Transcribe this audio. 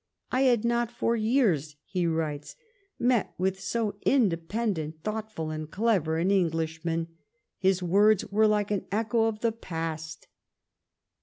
"I had not for years,"' he writes, "met with so iiiilepcndcnt, thoughtful, and clever an Englishman. His words were like an echo of the past."